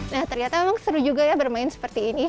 nah ternyata memang seru juga ya bermain seperti ini